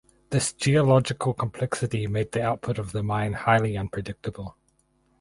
This geological complexity made the output of the mine highly unpredictable.